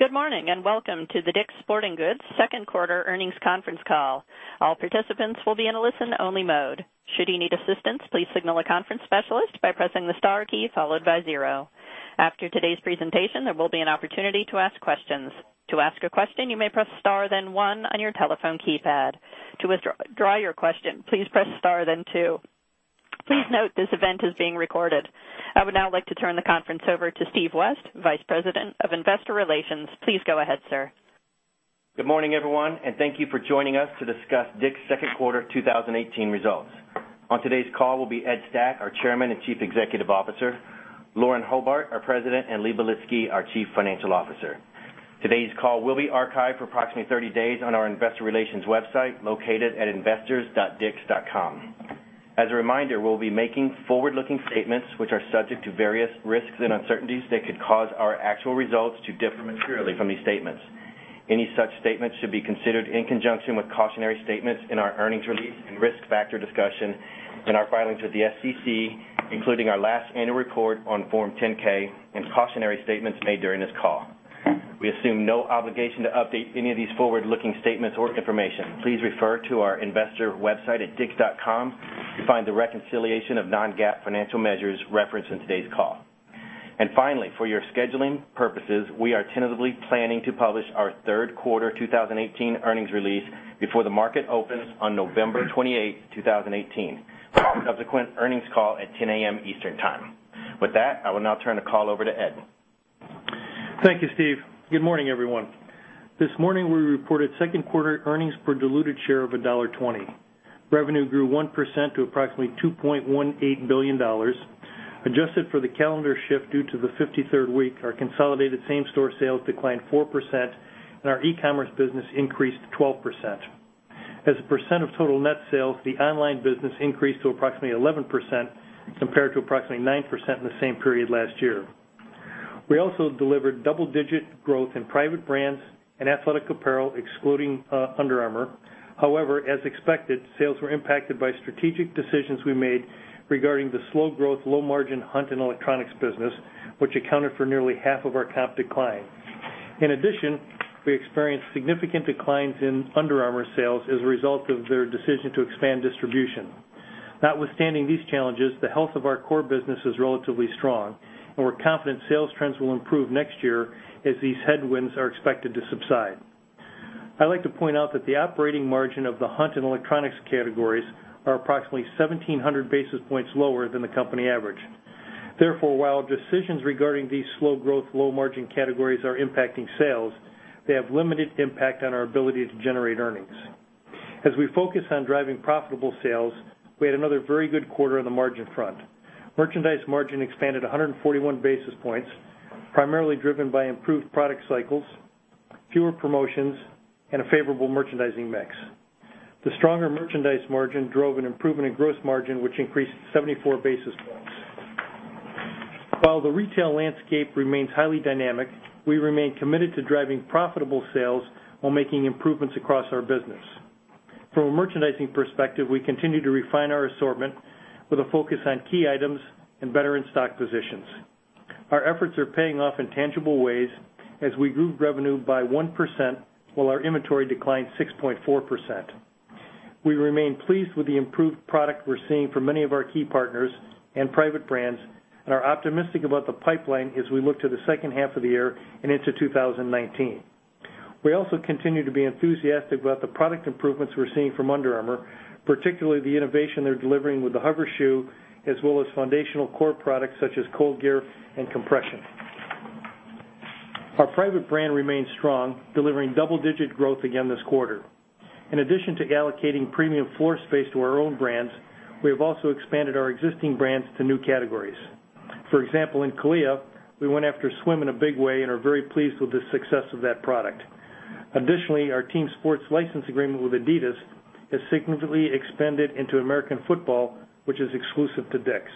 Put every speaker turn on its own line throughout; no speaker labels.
Good morning, and welcome to the DICK’S Sporting Goods second quarter earnings conference call. All participants will be in a listen-only mode. Should you need assistance, please signal a conference specialist by pressing the star key followed by zero. After today's presentation, there will be an opportunity to ask questions. To ask a question, you may press star then one on your telephone keypad. To withdraw your question, please press star then two. Please note this event is being recorded. I would now like to turn the conference over to Steve West, Vice President of Investor Relations. Please go ahead, sir.
Good morning, everyone. Thank you for joining us to discuss DICK’S second quarter 2018 results. On today's call will be Ed Stack, our Chairman and Chief Executive Officer, Lauren Hobart, our President, and Lee Belitsky, our Chief Financial Officer. Today's call will be archived for approximately 30 days on our investor relations website located at investors.dicks.com. As a reminder, we'll be making forward-looking statements which are subject to various risks and uncertainties that could cause our actual results to differ materially from these statements. Any such statements should be considered in conjunction with cautionary statements in our earnings release and risk factor discussion in our filings with the SEC, including our last annual report on Form 10-K and cautionary statements made during this call. We assume no obligation to update any of these forward-looking statements or information. Please refer to our investor website at dicks.com to find the reconciliation of non-GAAP financial measures referenced in today's call. Finally, for your scheduling purposes, we are tentatively planning to publish our third quarter 2018 earnings release before the market opens on November 28th, 2018, with subsequent earnings call at 10:00 A.M. Eastern Time. With that, I will now turn the call over to Ed.
Thank you, Steve. Good morning, everyone. This morning, we reported second quarter earnings per diluted share of $1.20. Revenue grew 1% to approximately $2.18 billion. Adjusted for the calendar shift due to the 53rd week, our consolidated same-store sales declined 4%, and our e-commerce business increased 12%. As a percent of total net sales, the online business increased to approximately 11%, compared to approximately nine percent in the same period last year. We also delivered double-digit growth in private brands and athletic apparel, excluding Under Armour. However, as expected, sales were impacted by strategic decisions we made regarding the slow growth, low margin hunt and electronics business, which accounted for nearly half of our comp decline. In addition, we experienced significant declines in Under Armour sales as a result of their decision to expand distribution. Notwithstanding these challenges, the health of our core business is relatively strong, and we're confident sales trends will improve next year as these headwinds are expected to subside. I'd like to point out that the operating margin of the hunt and electronics categories are approximately 1,700 basis points lower than the company average. While decisions regarding these slow growth, low margin categories are impacting sales, they have limited impact on our ability to generate earnings. As we focus on driving profitable sales, we had another very good quarter on the margin front. Merchandise margin expanded 141 basis points, primarily driven by improved product cycles, fewer promotions, and a favorable merchandising mix. The stronger merchandise margin drove an improvement in gross margin, which increased 74 basis points. While the retail landscape remains highly dynamic, we remain committed to driving profitable sales while making improvements across our business. From a merchandising perspective, we continue to refine our assortment with a focus on key items and better in-stock positions. Our efforts are paying off in tangible ways as we grew revenue by 1% while our inventory declined 6.4%. We remain pleased with the improved product we're seeing from many of our key partners and private brands and are optimistic about the pipeline as we look to the second half of the year and into 2019. We also continue to be enthusiastic about the product improvements we're seeing from Under Armour, particularly the innovation they're delivering with the HOVR shoe, as well as foundational core products such as ColdGear and Compression. Our private brand remains strong, delivering double-digit growth again this quarter. In addition to allocating premium floor space to our own brands, we have also expanded our existing brands to new categories. For example, in CALIA, we went after swim in a big way and are very pleased with the success of that product. Additionally, our team sports license agreement with adidas has significantly expanded into American football, which is exclusive to DICK'S.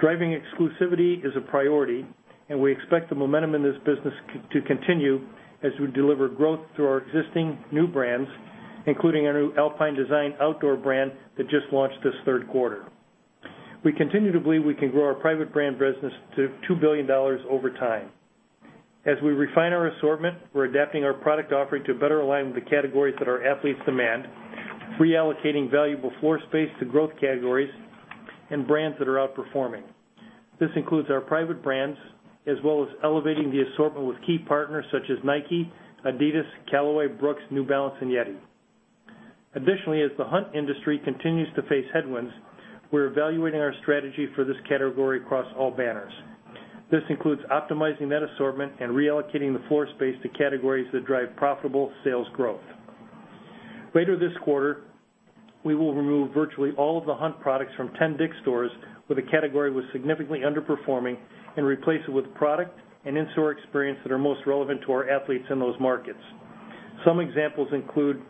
Driving exclusivity is a priority, and we expect the momentum in this business to continue as we deliver growth through our existing new brands, including our new Alpine Design outdoor brand that just launched this third quarter. We continue to believe we can grow our private brand business to $2 billion over time. As we refine our assortment, we're adapting our product offering to better align with the categories that our athletes demand, reallocating valuable floor space to growth categories and brands that are outperforming. This includes our private brands, as well as elevating the assortment with key partners such as Nike, adidas, Callaway, Brooks, New Balance, and YETI. As the hunt industry continues to face headwinds, we're evaluating our strategy for this category across all banners. This includes optimizing that assortment and reallocating the floor space to categories that drive profitable sales growth. Later this quarter, we will remove virtually all of the hunt products from 10 DICK'S stores where the category was significantly underperforming and replace it with product and in-store experience that are most relevant to our athletes in those markets. Some examples include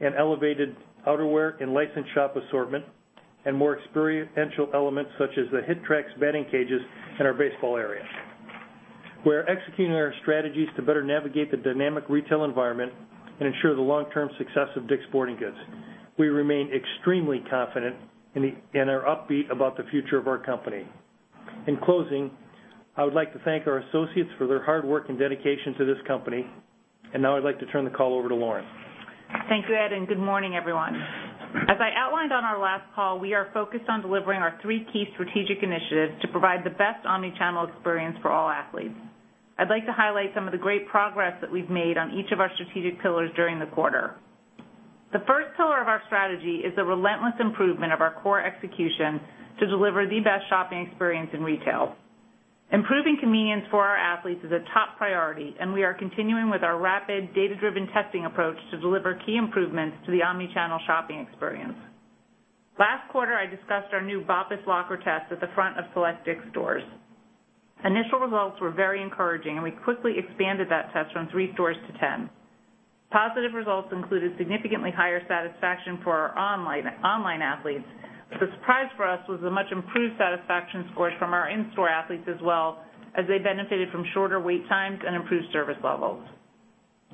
an elevated outerwear and licensed shop assortment and more experiential elements such as the HitTrax batting cages in our baseball area. We're executing our strategies to better navigate the dynamic retail environment and ensure the long-term success of DICK'S Sporting Goods. We remain extremely confident and are upbeat about the future of our company. In closing, I would like to thank our associates for their hard work and dedication to this company, and now I'd like to turn the call over to Lauren.
Thank you, Ed, and good morning, everyone. As I outlined on our last call, we are focused on delivering our three key strategic initiatives to provide the best omni-channel experience for all athletes. I'd like to highlight some of the great progress that we've made on each of our strategic pillars during the quarter. The first pillar of our strategy is the relentless improvement of our core execution to deliver the best shopping experience in retail. Improving convenience for our athletes is a top priority, and we are continuing with our rapid data-driven testing approach to deliver key improvements to the omni-channel shopping experience. Last quarter, I discussed our new BOPUS locker test at the front of select DICK'S stores. Initial results were very encouraging, and we quickly expanded that test from three stores to 10. Positive results included significantly higher satisfaction for our online athletes, but the surprise for us was the much-improved satisfaction scores from our in-store athletes as well, as they benefited from shorter wait times and improved service levels.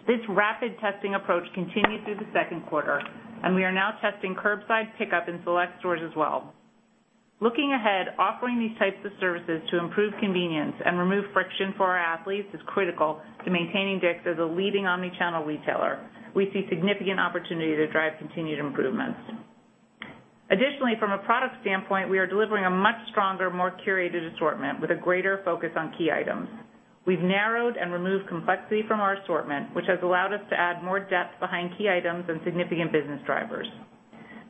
This rapid testing approach continued through the second quarter, and we are now testing curbside pickup in select stores as well. Looking ahead, offering these types of services to improve convenience and remove friction for our athletes is critical to maintaining DICK'S as a leading omni-channel retailer. We see significant opportunity to drive continued improvements. Additionally, from a product standpoint, we are delivering a much stronger, more curated assortment with a greater focus on key items. We've narrowed and removed complexity from our assortment, which has allowed us to add more depth behind key items and significant business drivers.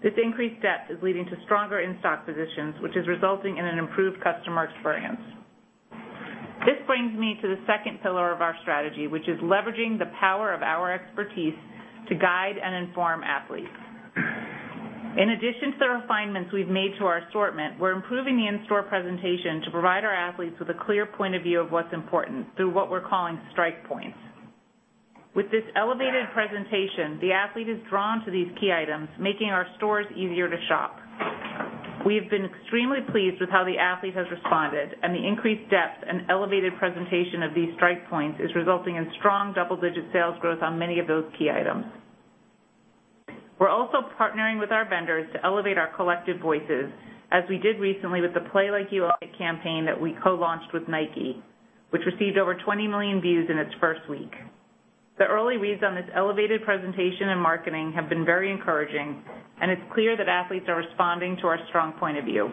This increased depth is leading to stronger in-stock positions, which is resulting in an improved customer experience. This brings me to the second pillar of our strategy, which is leveraging the power of our expertise to guide and inform athletes. In addition to the refinements we've made to our assortment, we're improving the in-store presentation to provide our athletes with a clear point of view of what's important through what we're calling strike points. With this elevated presentation, the athlete is drawn to these key items, making our stores easier to shop. We have been extremely pleased with how the athlete has responded, and the increased depth and elevated presentation of these strike points is resulting in strong double-digit sales growth on many of those key items. We're also partnering with our vendors to elevate our collective voices, as we did recently with the Play Like You campaign that we co-launched with Nike, which received over 20 million views in its first week. The early reads on this elevated presentation and marketing have been very encouraging. It's clear that athletes are responding to our strong point of view.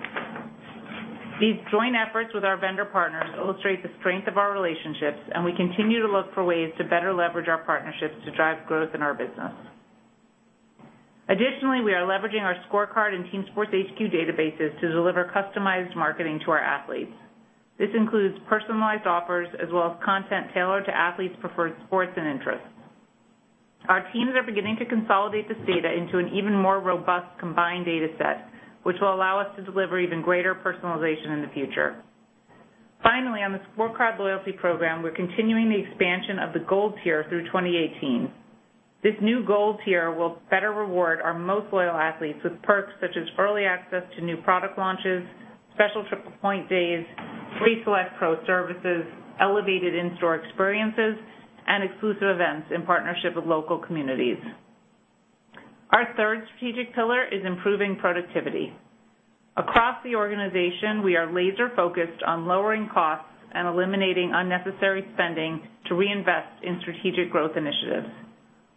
These joint efforts with our vendor partners illustrate the strength of our relationships. We continue to look for ways to better leverage our partnerships to drive growth in our business. We are leveraging our ScoreCard and Team Sports HQ databases to deliver customized marketing to our athletes. This includes personalized offers, as well as content tailored to athletes' preferred sports and interests. Our teams are beginning to consolidate this data into an even more robust combined data set, which will allow us to deliver even greater personalization in the future. On the ScoreCard loyalty program, we're continuing the expansion of the Gold tier through 2018. This new Gold tier will better reward our most loyal athletes with perks such as early access to new product launches, special triple-point days, free select pro services, elevated in-store experiences, and exclusive events in partnership with local communities. Our third strategic pillar is improving productivity. Across the organization, we are laser-focused on lowering costs and eliminating unnecessary spending to reinvest in strategic growth initiatives.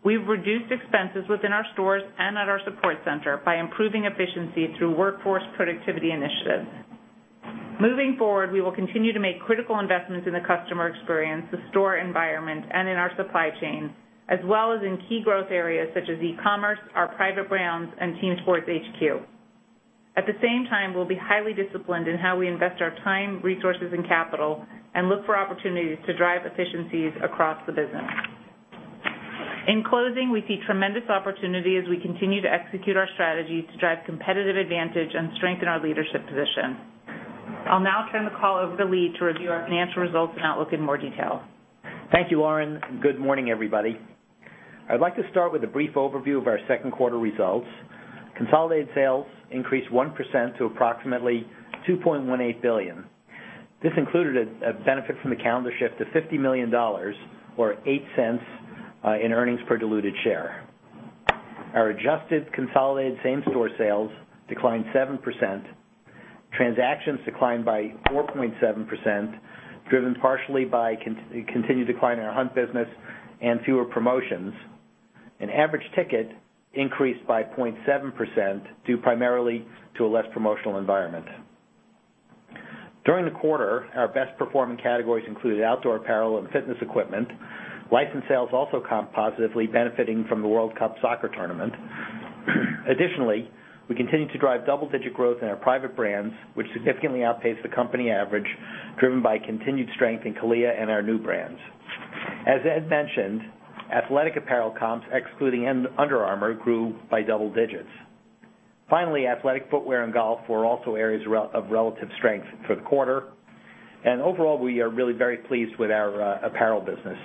We've reduced expenses within our stores and at our support center by improving efficiency through workforce productivity initiatives. Moving forward, we will continue to make critical investments in the customer experience, the store environment, and in our supply chain, as well as in key growth areas such as e-commerce, our private brands, and Team Sports HQ. At the same time, we'll be highly disciplined in how we invest our time, resources, and capital and look for opportunities to drive efficiencies across the business. In closing, we see tremendous opportunity as we continue to execute our strategy to drive competitive advantage and strengthen our leadership position. I'll now turn the call over to Lee to review our financial results and outlook in more detail.
Thank you, Lauren. Good morning, everybody. I'd like to start with a brief overview of our second quarter results. Consolidated sales increased 1% to approximately $2.18 billion. This included a benefit from the calendar shift of $50 million or $0.08 in earnings per diluted share. Our adjusted consolidated same-store sales declined 4%. Transactions declined by 4.7%, driven partially by continued decline in our hunt business and fewer promotions. An average ticket increased by 0.7%, due primarily to a less promotional environment. During the quarter, our best-performing categories included outdoor apparel and fitness equipment. License sales also comp positively, benefiting from the World Cup soccer tournament. We continue to drive double-digit growth in our private brands, which significantly outpaced the company average, driven by continued strength in CALIA and our new brands. As Ed mentioned, athletic apparel comps, excluding Under Armour, grew by double digits. Finally, athletic footwear and golf were also areas of relative strength for the quarter. Overall, we are really very pleased with our apparel business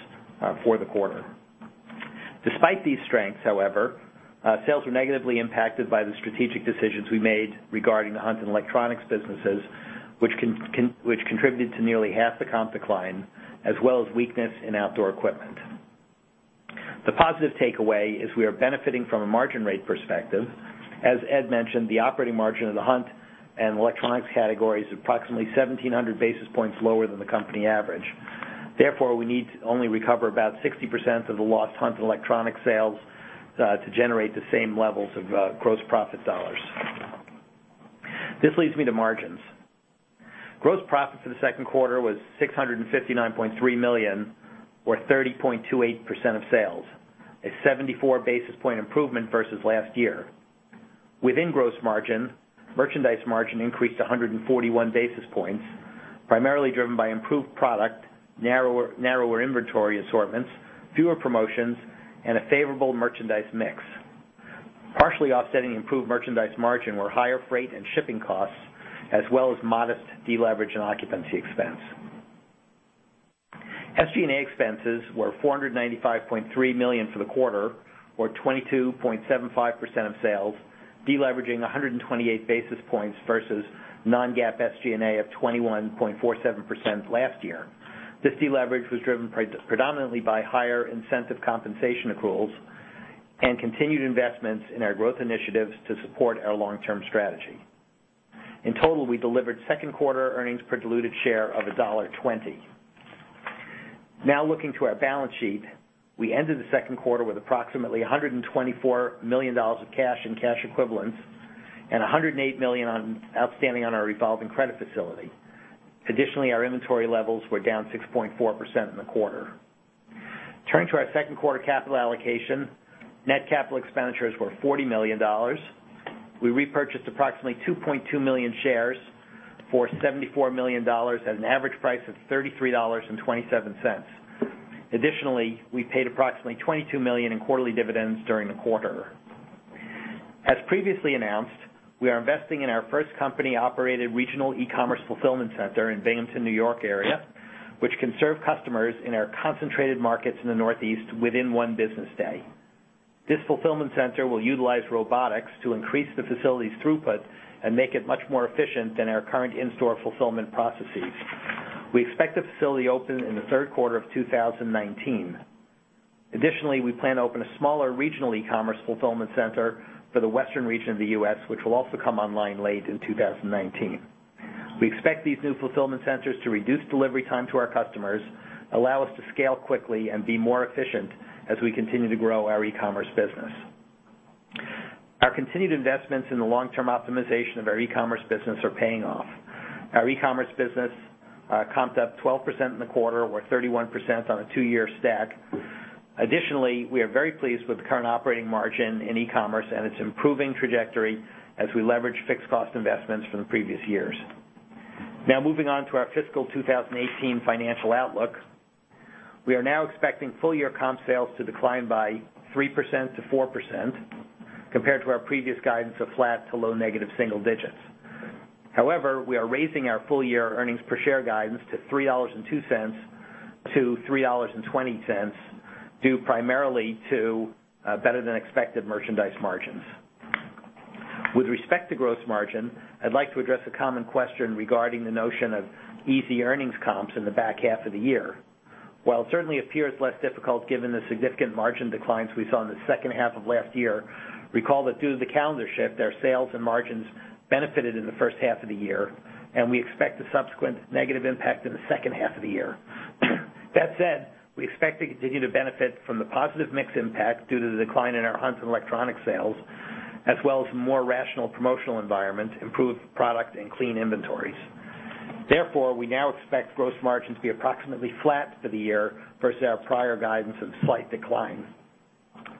for the quarter. Despite these strengths, however, sales were negatively impacted by the strategic decisions we made regarding the hunt and electronics businesses, which contributed to nearly half the comp decline, as well as weakness in outdoor equipment. The positive takeaway is we are benefiting from a margin rate perspective. As Ed mentioned, the operating margin of the hunt and electronics category is approximately 1,700 basis points lower than the company average. Therefore, we need to only recover about 60% of the lost hunt and electronic sales, to generate the same levels of gross profit dollars. This leads me to margins. Gross profit for the second quarter was $659.3 million or 30.28% of sales, a 74 basis point improvement versus last year. Within gross margin, merchandise margin increased 141 basis points, primarily driven by improved product, narrower inventory assortments, fewer promotions, and a favorable merchandise mix. Partially offsetting improved merchandise margin were higher freight and shipping costs, as well as modest deleverage and occupancy expense. SG&A expenses were $495.3 million for the quarter, or 22.75% of sales, deleveraging 128 basis points versus non-GAAP SG&A of 21.47% last year. This deleverage was driven predominantly by higher incentive compensation accruals and continued investments in our growth initiatives to support our long-term strategy. In total, we delivered second quarter earnings per diluted share of $1.20. Looking to our balance sheet. We ended the second quarter with approximately $124 million of cash and cash equivalents and $108 million outstanding on our revolving credit facility. Additionally, our inventory levels were down 6.4% in the quarter. Turning to our second quarter capital allocation, net capital expenditures were $40 million. We repurchased approximately 2.2 million shares for $74 million at an average price of $33.27. Additionally, we paid approximately $22 million in quarterly dividends during the quarter. As previously announced, we are investing in our first company-operated regional e-commerce fulfillment center in Binghamton, New York area, which can serve customers in our concentrated markets in the Northeast within one business day. This fulfillment center will utilize robotics to increase the facility's throughput and make it much more efficient than our current in-store fulfillment processes. We expect the facility open in the third quarter of 2019. Additionally, we plan to open a smaller regional e-commerce fulfillment center for the western region of the U.S., which will also come online late in 2019. We expect these new fulfillment centers to reduce delivery time to our customers, allow us to scale quickly and be more efficient as we continue to grow our e-commerce business. Our continued investments in the long-term optimization of our e-commerce business are paying off. Our e-commerce business comp-ed up 12% in the quarter, or 31% on a two-year stack. Additionally, we are very pleased with the current operating margin in e-commerce and its improving trajectory as we leverage fixed cost investments from the previous years. Moving on to our fiscal 2018 financial outlook. We are now expecting full year comp sales to decline by 3%-4%, compared to our previous guidance of flat to low negative single digits. However, we are raising our full year earnings per share guidance to $3.02-$3.20, due primarily to better than expected merchandise margins. With respect to gross margin, I'd like to address a common question regarding the notion of easy earnings comps in the back half of the year. While it certainly appears less difficult given the significant margin declines we saw in the second half of last year, recall that due to the calendar shift, our sales and margins benefited in the first half of the year, and we expect a subsequent negative impact in the second half of the year. We expect to continue to benefit from the positive mix impact due to the decline in our hunt and electronic sales, as well as more rational promotional environment, improved product, and clean inventories. We now expect gross margins to be approximately flat for the year versus our prior guidance of slight decline.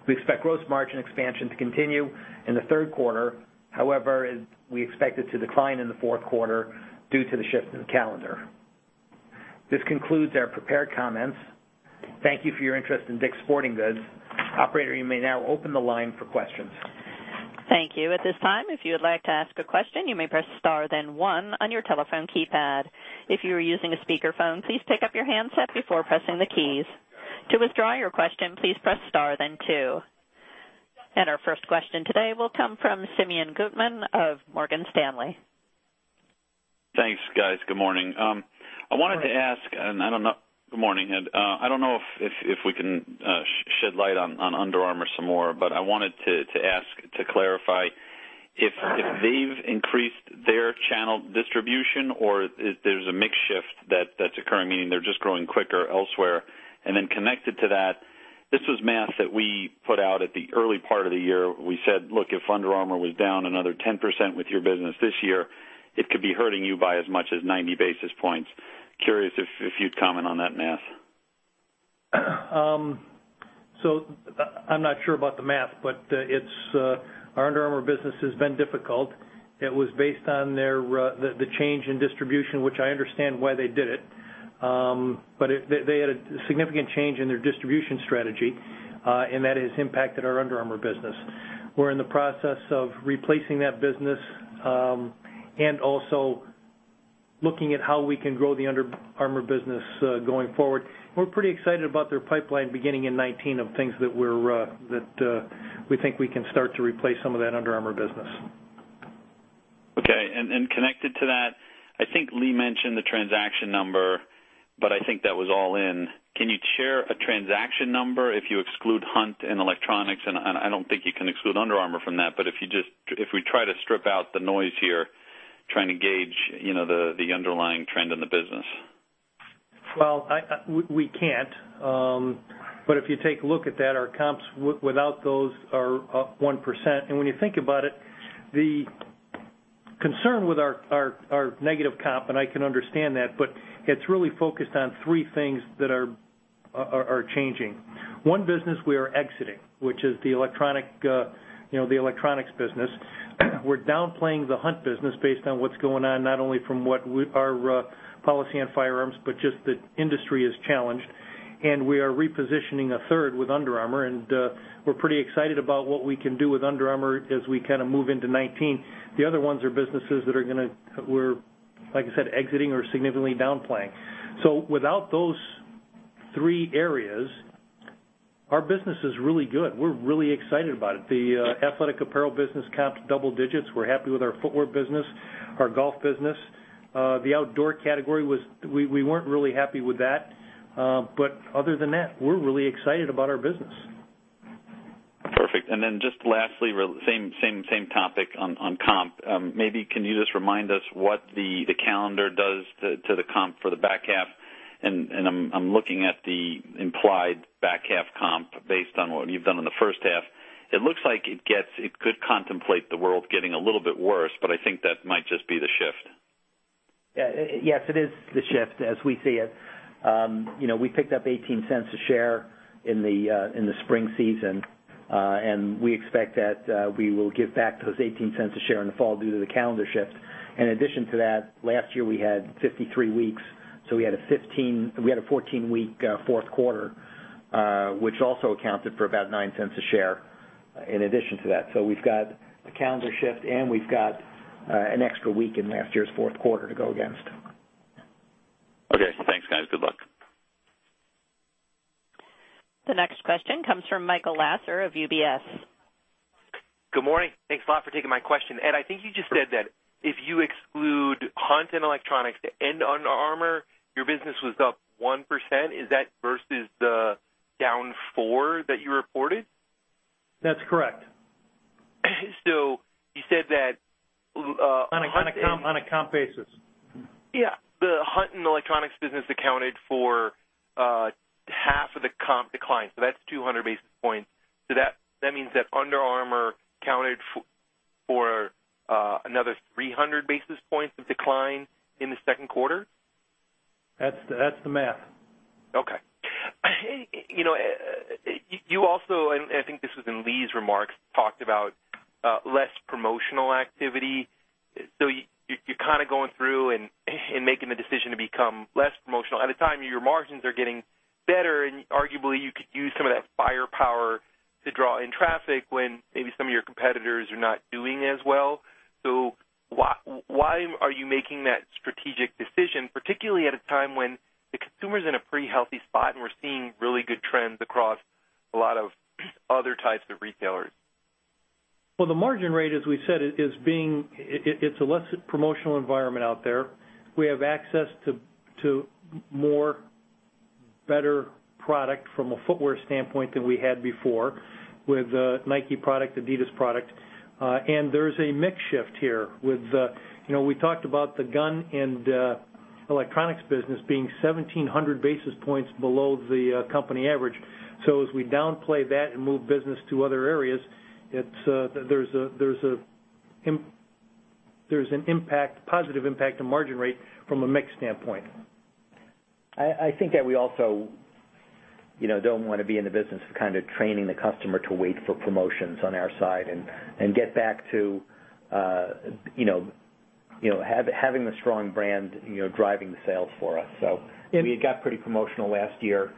We expect gross margin expansion to continue in the third quarter. We expect it to decline in the fourth quarter due to the shift in calendar. This concludes our prepared comments. Thank you for your interest in DICK'S Sporting Goods. Operator, you may now open the line for questions.
Thank you. At this time, if you would like to ask a question, you may press star then one on your telephone keypad. If you are using a speakerphone, please pick up your handset before pressing the keys. To withdraw your question, please press star then two. Our first question today will come from Simeon Gutman of Morgan Stanley.
Thanks, guys. Good morning.
Good morning.
I don't know if we can shed light on Under Armour some more, but I wanted to ask to clarify if they've increased their channel distribution or if there's a mix shift that's occurring, meaning they're just growing quicker elsewhere. Connected to that, this was math that we put out at the early part of the year. We said, look, if Under Armour was down another 10% with your business this year, it could be hurting you by as much as 90 basis points. Curious if you'd comment on that math.
I'm not sure about the math, but our Under Armour business has been difficult. It was based on the change in distribution, which I understand why they did it. They had a significant change in their distribution strategy, and that has impacted our Under Armour business. We're in the process of replacing that business, and also looking at how we can grow the Under Armour business going forward. We're pretty excited about their pipeline beginning in 2019 of things that we think we can start to replace some of that Under Armour business.
Connected to that, I think Lee mentioned the transaction number, but I think that was all in. Can you share a transaction number if you exclude Hunt and electronics? I don't think you can exclude Under Armour from that, but if we try to strip out the noise here, trying to gauge the underlying trend in the business.
We can't. If you take a look at that, our comps without those are up 1%. When you think about it, the concern with our negative comp, and I can understand that, but it's really focused on three things that are changing. One business we are exiting, which is the electronics business. We're downplaying the Hunt business based on what's going on, not only from our policy on firearms, but just the industry is challenged, and we are repositioning a third with Under Armour, and we're pretty excited about what we can do with Under Armour as we kind of move into 2019. The other ones are businesses that are, like I said, exiting or significantly downplaying. Without those three areas, our business is really good. We're really excited about it. The athletic apparel business comped double digits. We're happy with our footwear business, our golf business. The outdoor category, we weren't really happy with that. Other than that, we're really excited about our business.
Perfect. Just lastly, same topic on comp. Maybe can you just remind us what the calendar does to the comp for the back half? I'm looking at the implied back half comp based on what you've done in the first half. It looks like it could contemplate the world getting a little bit worse, but I think that might just be the shift.
Yes, it is the shift as we see it. We picked up $0.18 a share in the spring season. We expect that we will give back those $0.18 a share in the fall due to the calendar shift. In addition to that, last year, we had 53 weeks. We had a 14-week fourth quarter, which also accounted for about $0.09 a share in addition to that. We've got a calendar shift, and we've got an extra week in last year's fourth quarter to go against.
Okay, thanks, guys. Good luck.
The next question comes from Michael Lasser of UBS.
Good morning. Thanks a lot for taking my question. Ed, I think you just said that if you exclude Hunt and electronics and Under Armour, your business was up 1%. Is that versus the down 4% that you reported?
That's correct.
You said that.
On a comp basis.
Yeah. The Hunt and electronics business accounted for half of the comp decline. That's 200 basis points. That means that Under Armour accounted for another 300 basis points of decline in the second quarter?
That's the math.
Okay. You also, and I think this was in Lee's remarks, talked about less promotional activity. You're kind of going through and making the decision to become less promotional at a time your margins are getting better, and arguably, you could use some of that firepower to draw in traffic when maybe some of your competitors are not doing as well. Why are you making that strategic decision, particularly at a time when the consumer's in a pretty healthy spot and we're seeing really good trends across a lot of other types of retailers?
Well, the margin rate, as we said, it's a less promotional environment out there. We have access to more better product from a footwear standpoint than we had before with Nike product, adidas product. There's a mix shift here. We talked about the gun and electronics business being 1,700 basis points below the company average. As we downplay that and move business to other areas, there's a positive impact to margin rate from a mix standpoint.
I think that we also don't want to be in the business of kind of training the customer to wait for promotions on our side and get back to having the strong brand driving the sales for us. We had got pretty promotional last year.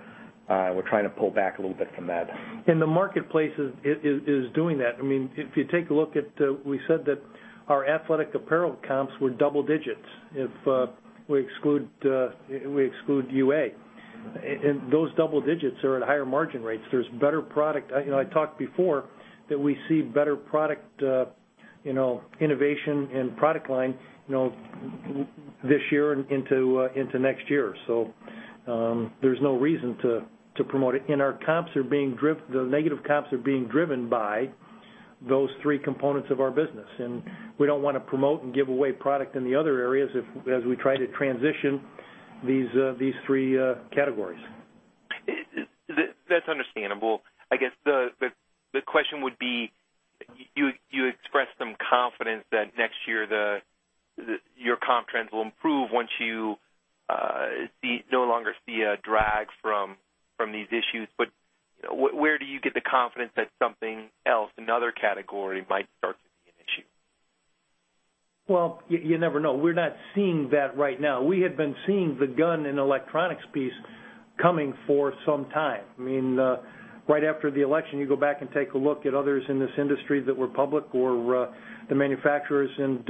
We're trying to pull back a little bit from that.
The marketplace is doing that. If you take a look at, we said that our athletic apparel comps were double digits if we exclude UA. Those double digits are at higher margin rates. There's better product. I talked before that we see better product innovation and product line this year into next year. There's no reason to promote it. The negative comps are being driven by those three components of our business. We don't want to promote and give away product in the other areas as we try to transition these three categories.
That's understandable. I guess the question would be, you expressed some confidence that next year, your comp trends will improve once you no longer see a drag from these issues. Where do you get the confidence that something else, another category, might start to be an issue?
Well, you never know. We're not seeing that right now. We had been seeing the gun and electronics piece coming for some time. Right after the election, you go back and take a look at others in this industry that were public or the manufacturers in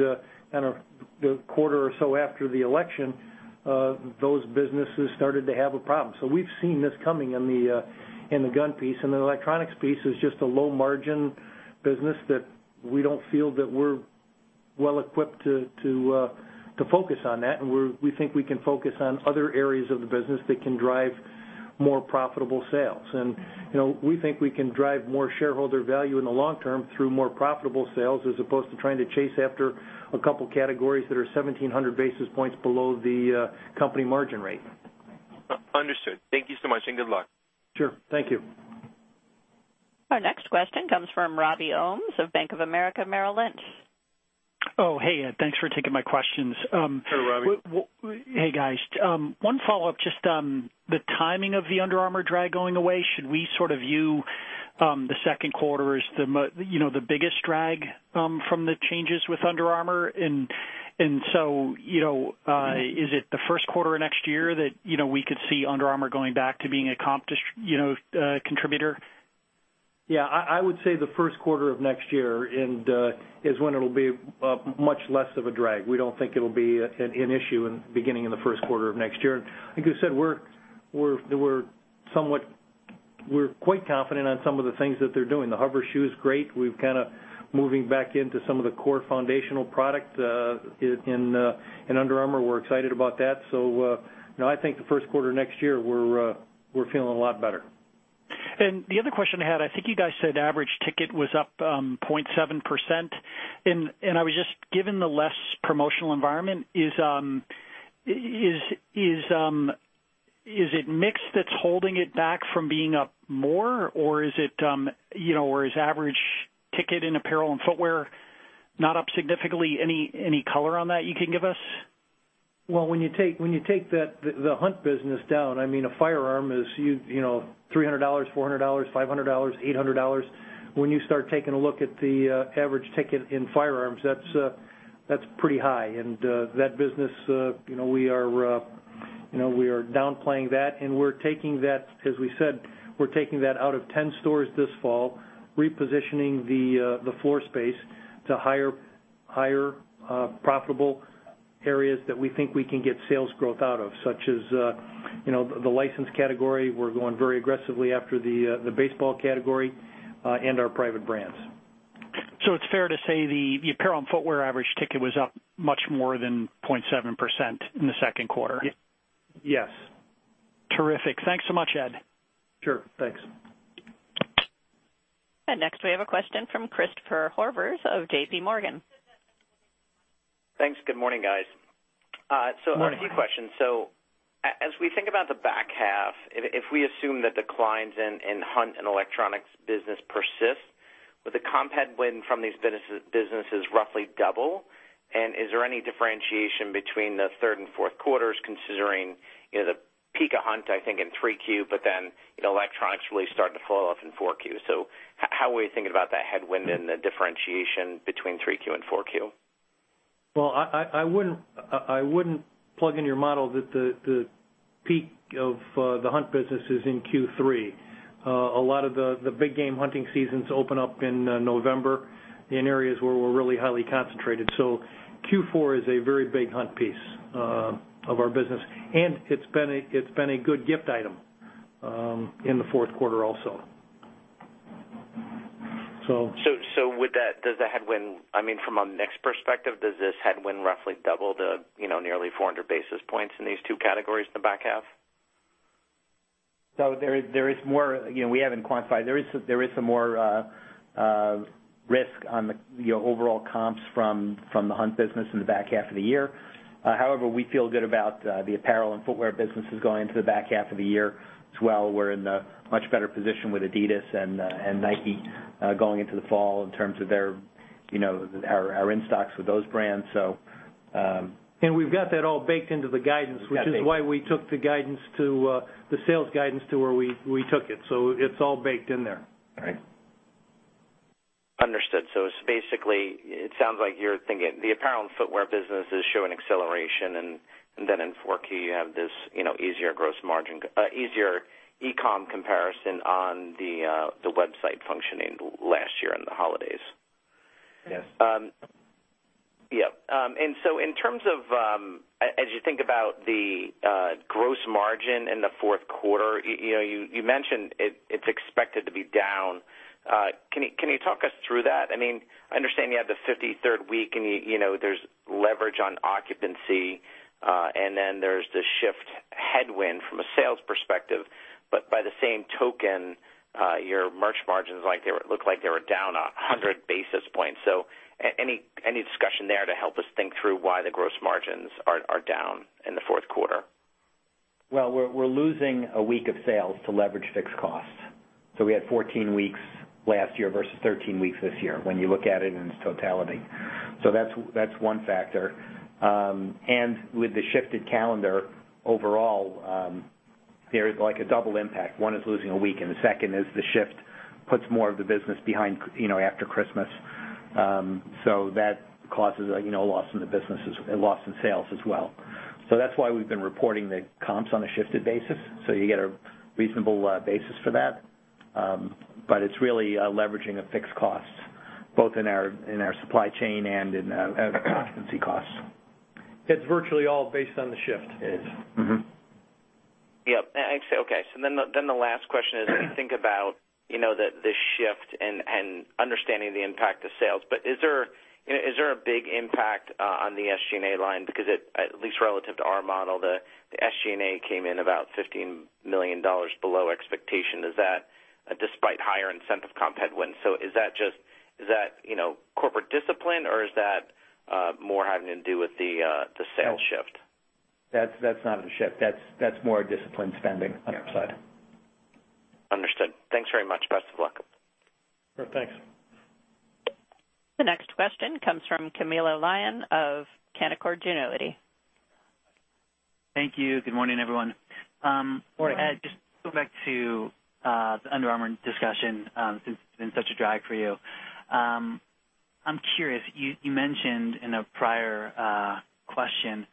the quarter or so after the election. Those businesses started to have a problem. We've seen this coming in the gun piece. The electronics piece is just a low margin business that we don't feel that we're well-equipped to focus on that. We think we can focus on other areas of the business that can drive more profitable sales. We think we can drive more shareholder value in the long term through more profitable sales, as opposed to trying to chase after a couple of categories that are 1,700 basis points below the company margin rate.
Understood. Thank you so much, and good luck.
Sure. Thank you.
Our next question comes from Robert Ohmes of Bank of America Merrill Lynch.
Hey. Thanks for taking my questions.
Hey, Robert.
Hey, guys. One follow-up just on the timing of the Under Armour drag going away. Should we sort of view the second quarter as the biggest drag from the changes with Under Armour? Is it the first quarter of next year that we could see Under Armour going back to being a contributor?
Yeah, I would say the first quarter of next year is when it'll be much less of a drag. We don't think it'll be an issue beginning in the first quarter of next year. Like you said, we're quite confident on some of the things that they're doing. The HOVR shoe is great. We're kind of moving back into some of the core foundational product in Under Armour. We're excited about that. I think the first quarter of next year, we're feeling a lot better.
The other question I had, I think you guys said average ticket was up 0.7%. Given the less promotional environment, is it mix that's holding it back from being up more, or is average ticket in apparel and footwear not up significantly? Any color on that you can give us?
Well, when you take the hunt business down, a firearm is $300, $400, $500, $800. When you start taking a look at the average ticket in firearms, that's pretty high. That business, we are downplaying that, and we're taking that, as we said, we're taking that out of 10 stores this fall, repositioning the floor space to higher profitable areas that we think we can get sales growth out of, such as the licensed category. We're going very aggressively after the baseball category and our private brands.
It's fair to say the apparel and footwear average ticket was up much more than 0.7% in the second quarter.
Yes.
Terrific. Thanks so much, Ed.
Sure. Thanks.
Next we have a question from Christopher Horvers of JPMorgan.
Thanks. Good morning, guys.
Morning.
A few questions. As we think about the back half, if we assume that declines in hunt and electronics business persist, will the comp headwind from these businesses roughly double? Is there any differentiation between the third and fourth quarters considering the peak of hunt, I think, in Q3, but then electronics really starting to fall off in Q4? How are we thinking about that headwind and the differentiation between Q3 and Q4?
I wouldn't plug in your model that the peak of the hunt business is in Q3. A lot of the big game hunting seasons open up in November in areas where we're really highly concentrated. Q4 is a very big hunt piece of our business, and it's been a good gift item in the fourth quarter also.
From a mix perspective, does this headwind roughly double to nearly 400 basis points in these two categories in the back half?
There is more. We haven't quantified. There is some more risk on the overall comps from the hunt business in the back half of the year. However, we feel good about the apparel and footwear businesses going into the back half of the year as well. We're in a much better position with adidas and Nike going into the fall in terms of our in-stocks with those brands.
We've got that all baked into the guidance.
We've got baked.
Which is why we took the sales guidance to where we took it. It's all baked in there.
Right.
Understood. Basically, it sounds like you're thinking the apparel and footwear businesses show an acceleration, and then in Q4, you have this easier e-com comparison on the website functioning last year in the holidays.
Yes.
Yep. In terms of, as you think about the gross margin in the fourth quarter, you mentioned it's expected to be down. Can you talk us through that? I understand you have the 53rd week, and there's leverage on occupancy. Then there's the shift headwind from a sales perspective. By the same token, your merch margins look like they were down 100 basis points. Any discussion there to help us think through why the gross margins are down in the fourth quarter?
Well, we're losing a week of sales to leverage fixed costs. We had 14 weeks last year versus 13 weeks this year when you look at it in its totality. That's one factor. With the shifted calendar overall, there is a double impact. One is losing a week, and the second is the shift puts more of the business behind after Christmas. That causes a loss in sales as well. That's why we've been reporting the comps on a shifted basis, so you get a reasonable basis for that. It's really leveraging a fixed cost. Both in our supply chain and in occupancy costs.
It's virtually all based on the shift.
It is. Mm-hmm.
The last question is, as you think about the shift and understanding the impact to sales, but is there a big impact on the SG&A line? Because at least relative to our model, the SG&A came in about $15 million below expectation. Is that despite higher incentive comp headwinds? Is that corporate discipline, or is that more having to do with the sales shift?
That's not a shift. That's more disciplined spending on our side.
Understood. Thanks very much. Best of luck.
Sure. Thanks.
The next question comes from Camilo Lyon of Canaccord Genuity.
Thank you. Good morning, everyone.
Morning.
Ed, just to go back to the Under Armour discussion, since it's been such a drag for you. I'm curious, you mentioned in a prior question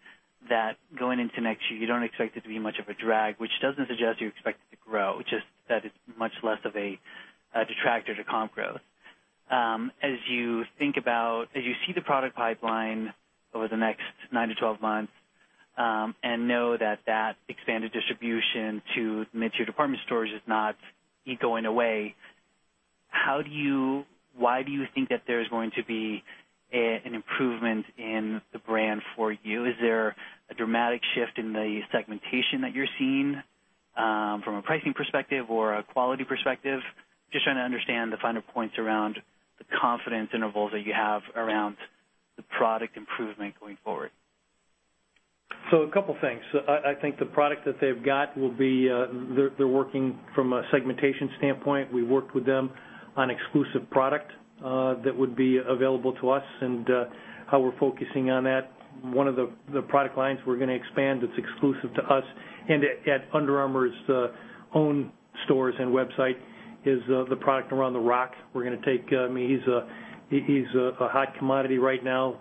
that going into next year, you don't expect it to be much of a drag, which doesn't suggest you expect it to grow, just that it's much less of a detractor to comp growth. As you see the product pipeline over the next 9 to 12 months, and know that that expanded distribution to mid-tier department stores is not going away, why do you think that there's going to be an improvement in the brand for you? Is there a dramatic shift in the segmentation that you're seeing from a pricing perspective or a quality perspective? Just trying to understand the finer points around the confidence intervals that you have around the product improvement going forward.
A couple things. I think the product that they've got, they're working from a segmentation standpoint. We worked with them on exclusive product that would be available to us and how we're focusing on that. One of the product lines we're going to expand that's exclusive to us and at Under Armour's own stores and website is the product around Dwayne Johnson. He's a hot commodity right now.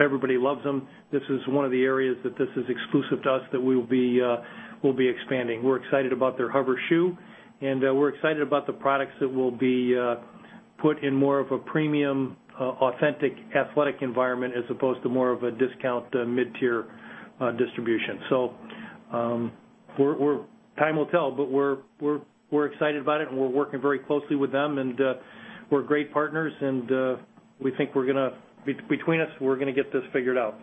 Everybody loves him. This is one of the areas that this is exclusive to us that we'll be expanding. We're excited about their HOVR shoe, and we're excited about the products that will be put in more of a premium, authentic athletic environment as opposed to more of a discount mid-tier distribution. Time will tell, but we're excited about it, and we're working very closely with them, and we're great partners and between us, we're going to get this figured out.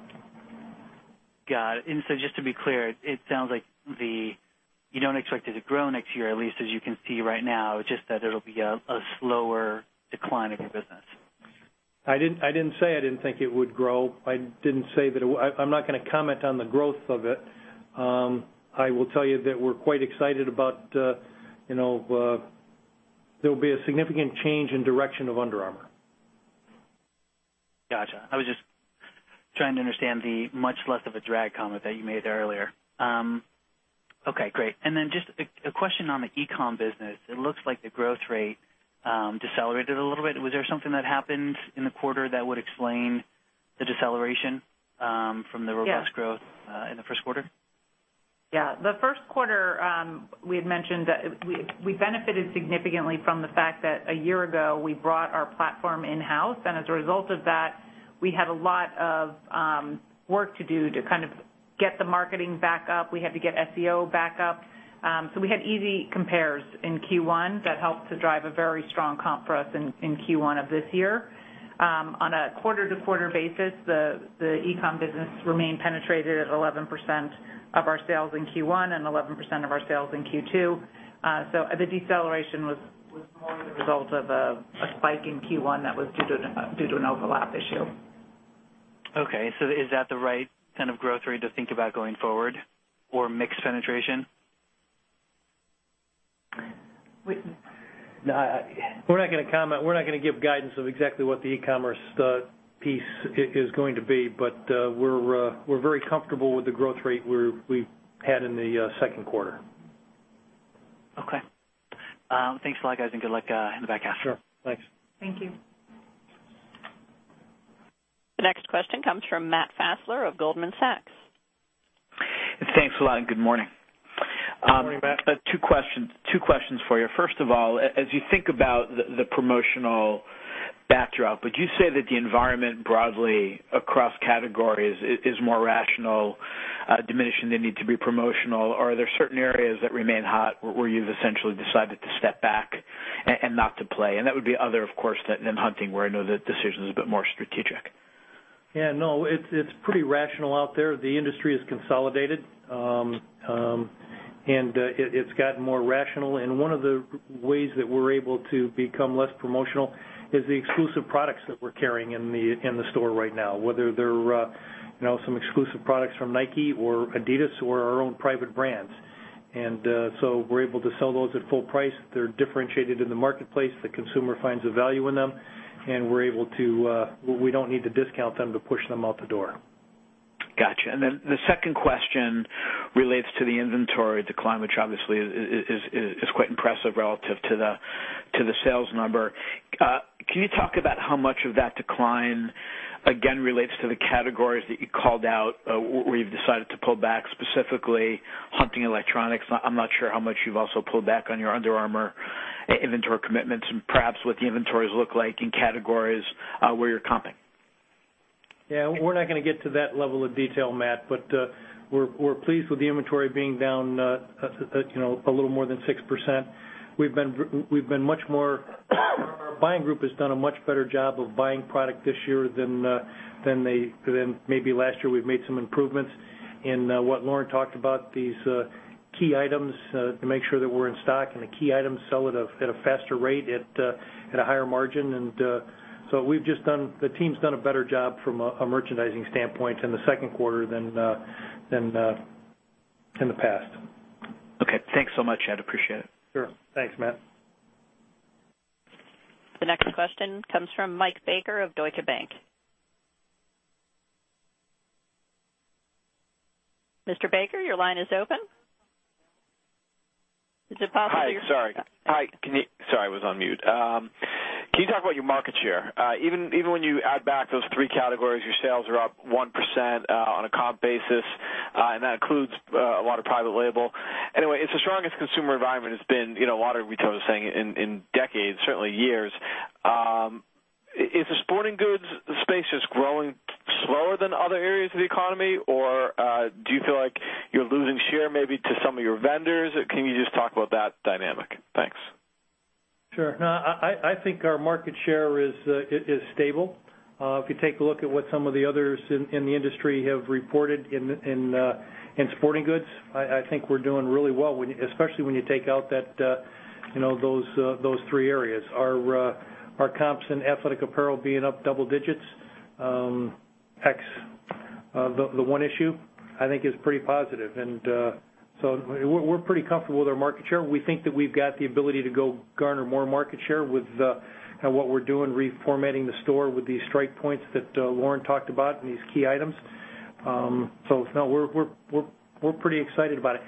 Got it. Just to be clear, it sounds like you don't expect it to grow next year, at least as you can see right now. It's just that it'll be a slower decline of your business.
I didn't say I didn't think it would grow. I'm not going to comment on the growth of it. I will tell you that we're quite excited about There will be a significant change in direction of Under Armour.
Got you. I was just trying to understand the much less of a drag comment that you made earlier. Okay, great. Just a question on the e-com business. It looks like the growth rate decelerated a little bit. Was there something that happened in the quarter that would explain the deceleration from the robust growth in the first quarter?
Yeah. The first quarter, we had mentioned that we benefited significantly from the fact that a year ago, we brought our platform in-house. As a result of that, we had a lot of work to do to kind of get the marketing back up. We had to get SEO back up. We had easy compares in Q1 that helped to drive a very strong comp for us in Q1 of this year. On a quarter-to-quarter basis, the e-com business remained penetrated at 11% of our sales in Q1 and 11% of our sales in Q2. The deceleration was more of the result of a spike in Q1 that was due to an overlap issue.
Okay. Is that the right kind of growth rate to think about going forward or mix penetration?
We're not going to give guidance of exactly what the e-commerce piece is going to be, but we're very comfortable with the growth rate we had in the second quarter.
Okay. Thanks a lot, guys. Good luck in the back half.
Sure. Thanks.
Thank you.
The next question comes from Matt Fassler of Goldman Sachs.
Thanks a lot, good morning.
Good morning, Matt.
Two questions for you. First of all, as you think about the promotional backdrop, would you say that the environment broadly across categories is more rational, diminishing the need to be promotional, or are there certain areas that remain hot where you've essentially decided to step back and not to play? That would be other, of course, than hunting, where I know the decision is a bit more strategic.
Yeah, no, it's pretty rational out there. The industry has consolidated. It's gotten more rational. One of the ways that we're able to become less promotional is the exclusive products that we're carrying in the store right now, whether they're some exclusive products from Nike or adidas or our own private brands. So we're able to sell those at full price. They're differentiated in the marketplace. The consumer finds the value in them, and we don't need to discount them to push them out the door.
Got you. The second question relates to the inventory decline, which obviously is quite impressive relative to the sales number. Can you talk about how much of that decline, again, relates to the categories that you called out, where you've decided to pull back, specifically hunting electronics? I'm not sure how much you've also pulled back on your Under Armour inventory commitments, and perhaps what the inventories look like in categories where you're comping.
Yeah. We're not going to get to that level of detail, Matt, but we're pleased with the inventory being down a little more than 6%. Our buying group has done a much better job of buying product this year than maybe last year. We've made some improvements in what Lauren talked about, these key items, to make sure that we're in stock, and the key items sell at a faster rate at a higher margin. The team's done a better job from a merchandising standpoint in the second quarter than in the past.
Okay. Thanks so much, Ed. Appreciate it.
Sure. Thanks, Matt.
The next question comes from Michael Baker of Deutsche Bank. Mr. Baker, your line is open. Is it possible you-
Hi. Sorry. Hi. Sorry, I was on mute. Can you talk about your market share? Even when you add back those three categories, your sales are up 1% on a comp basis, and that includes a lot of private label. It's the strongest consumer environment it's been, a lot of retailers saying, in decades, certainly years. Is the sporting goods space just growing slower than other areas of the economy, or do you feel like you're losing share maybe to some of your vendors? Can you just talk about that dynamic? Thanks.
Sure. No, I think our market share is stable. If you take a look at what some of the others in the industry have reported in sporting goods, I think we're doing really well, especially when you take out those three areas. Our comps in athletic apparel being up double digits, ex the one issue, I think is pretty positive. We're pretty comfortable with our market share. We think that we've got the ability to go garner more market share with what we're doing, reformatting the store with these strike points that Lauren talked about and these key items. No, we're pretty excited about it.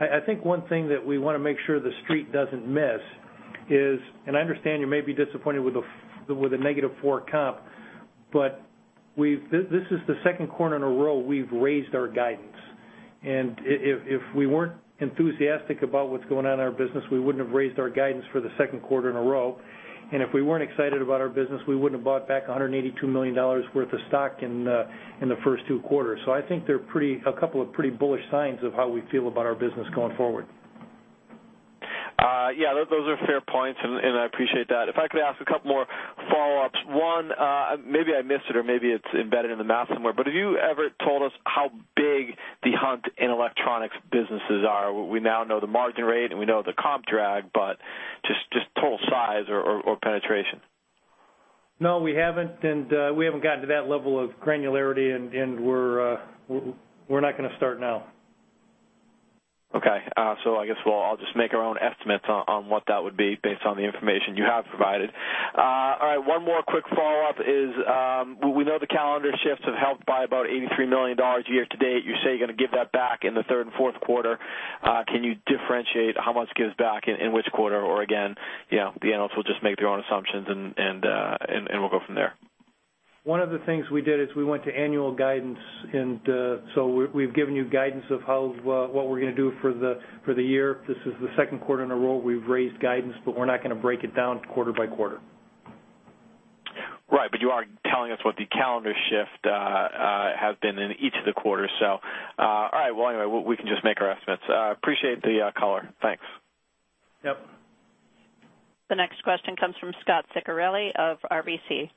I think one thing that we want to make sure the Street doesn't miss is, I understand you may be disappointed with a negative four comp, this is the second quarter in a row we've raised our guidance. If we weren't enthusiastic about what's going on in our business, we wouldn't have raised our guidance for the second quarter in a row. If we weren't excited about our business, we wouldn't have bought back $182 million worth of stock in the first two quarters. I think they're a couple of pretty bullish signs of how we feel about our business going forward.
Yeah. Those are fair points, and I appreciate that. If I could ask a couple more follow-ups. One, maybe I missed it or maybe it's embedded in the math somewhere, but have you ever told us how big the hunt and electronics businesses are? We now know the margin rate, and we know the comp drag, but just total size or penetration.
No, we haven't. We haven't gotten to that level of granularity, and we're not going to start now.
Okay. I guess I'll just make our own estimates on what that would be based on the information you have provided. All right. One more quick follow-up is, we know the calendar shifts have helped by about $83 million year to date. You say you're going to give that back in the third and fourth quarter. Can you differentiate how much gives back in which quarter? Again, the analysts will just make their own assumptions, and we'll go from there.
One of the things we did is we went to annual guidance. We've given you guidance of what we're going to do for the year. This is the second quarter in a row we've raised guidance, but we're not going to break it down quarter by quarter.
Right. You are telling us what the calendar shift has been in each of the quarters. All right. Well, anyway, we can just make our estimates. Appreciate the caller. Thanks.
Yep.
The next question comes from Scot Ciccarelli of RBC.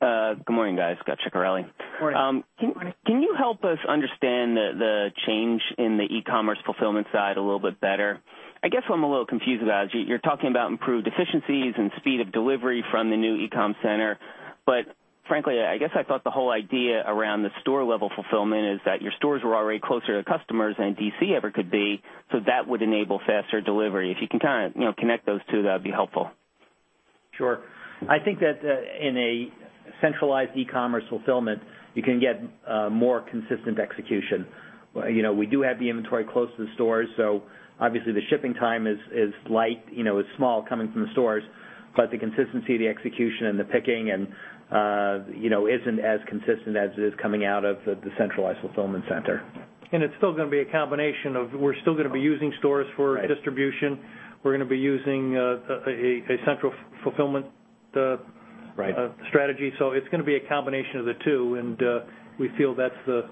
Good morning, guys. Scot Ciccarelli.
Morning.
Morning.
Can you help us understand the change in the e-commerce fulfillment side a little bit better? I guess what I'm a little confused about is you're talking about improved efficiencies and speed of delivery from the new e-com center. Frankly, I guess I thought the whole idea around the store-level fulfillment is that your stores were already closer to customers than a DC ever could be, so that would enable faster delivery. If you can kind of connect those two, that'd be helpful.
Sure. I think that in a centralized e-commerce fulfillment, you can get more consistent execution. We do have the inventory close to the stores, so obviously the shipping time is small coming from the stores. The consistency, the execution, and the picking isn't as consistent as it is coming out of the centralized fulfillment center.
It's still going to be a combination of, we're still going to be using stores for distribution.
Right.
We're going to be using a central fulfillment-
Right
strategy. It's going to be a combination of the two, and we feel that's the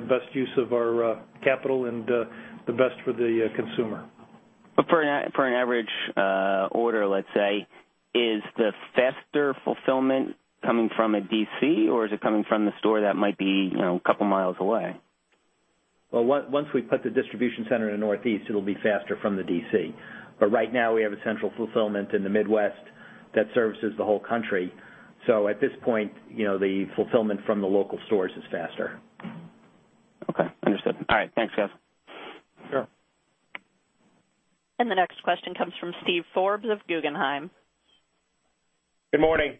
best use of our capital and the best for the consumer.
For an average order, let's say, is the faster fulfillment coming from a DC, or is it coming from the store that might be a couple miles away?
Once we put the distribution center in the Northeast, it'll be faster from the DC. Right now, we have a central fulfillment in the Midwest that services the whole country. At this point, the fulfillment from the local stores is faster.
Okay. Understood. All right. Thanks, guys.
Sure.
The next question comes from Steven Forbes of Guggenheim.
Good morning.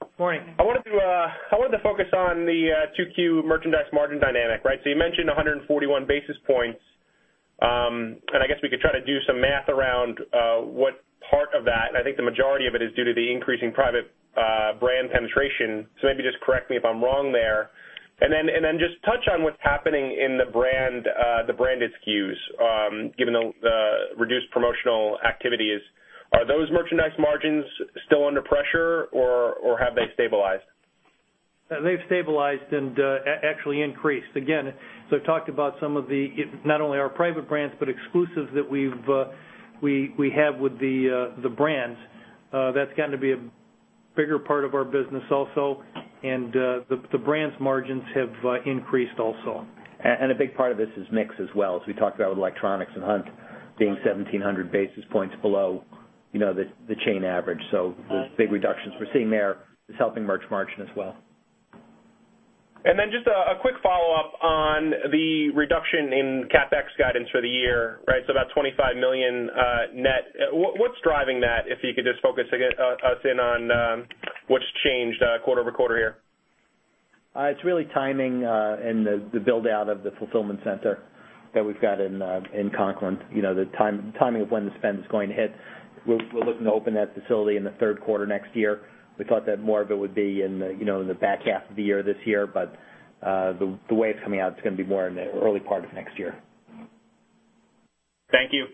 Good morning.
I wanted to focus on the 2Q merchandise margin dynamic, right? You mentioned 141 basis points. I guess we could try to do some math around what part of that, and I think the majority of it is due to the increasing private brand penetration. Maybe just correct me if I'm wrong there. Then just touch on what's happening in the branded SKUs, given the reduced promotional activities. Are those merchandise margins still under pressure, or have they stabilized?
They've stabilized and actually increased. Again, I talked about some of the, not only our private brands, but exclusives that we have with the brands. That's gotten to be a bigger part of our business also. The brand's margins have increased also.
A big part of this is mix as well, as we talked about with electronics and Hunt being 1,700 basis points below the chain average. Those big reductions we're seeing there is helping merch margin as well.
Just a quick follow-up on the reduction in CapEx guidance for the year, right? About $25 million net. What's driving that? If you could just focus us in on what's changed quarter-over-quarter here.
It's really timing and the build-out of the fulfillment center that we've got in Conklin. The timing of when the spend is going to hit. We're looking to open that facility in the third quarter next year. We thought that more of it would be in the back half of the year this year, but the way it's coming out, it's going to be more in the early part of next year.
Thank you.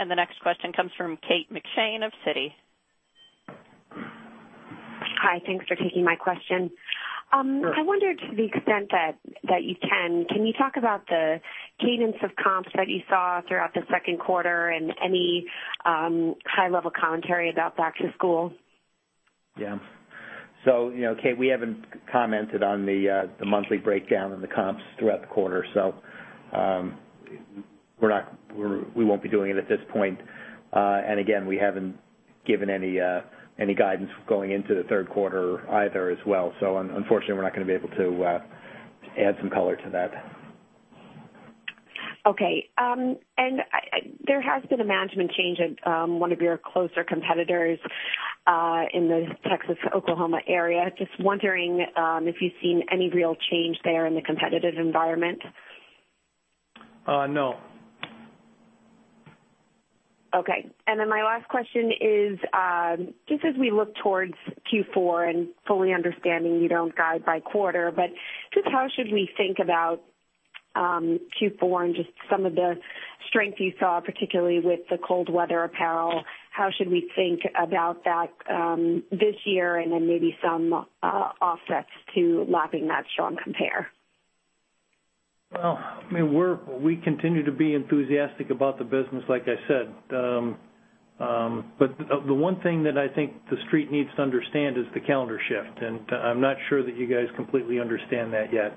The next question comes from Kate McShane of Citi.
Hi, thanks for taking my question. I wonder, to the extent that you can you talk about the cadence of comps that you saw throughout the second quarter and any high-level commentary about back to school?
Yeah. Kate, we haven't commented on the monthly breakdown in the comps throughout the quarter. We won't be doing it at this point. Again, we haven't given any guidance going into the third quarter either as well. Unfortunately, we're not going to be able to add some color to that.
Okay. There has been a management change at one of your closer competitors in the Texas, Oklahoma area. Just wondering if you've seen any real change there in the competitive environment.
No.
Okay. My last question is, just as we look towards Q4 and fully understanding you don't guide by quarter, just how should we think about Q4 and just some of the strength you saw, particularly with the cold weather apparel. How should we think about that this year and then maybe some offsets to lapping that strong compare?
Well, we continue to be enthusiastic about the business, like I said. The one thing that I think the Street needs to understand is the calendar shift. I'm not sure that you guys completely understand that yet,